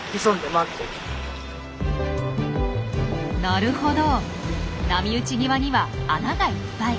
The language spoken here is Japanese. なるほど波打ち際には穴がいっぱい。